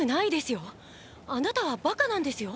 あなたはバカなんですよ？